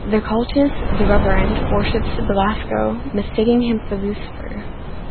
The cultist "the Reverend" worships Belasco, mistaking him for Lucifer.